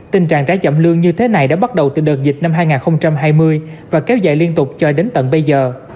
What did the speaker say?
tình trạng trái chậm lương như thế này đã bắt đầu từ đợt dịch năm hai nghìn hai mươi và kéo dài liên tục cho đến tận bây giờ